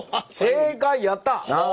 正解やった！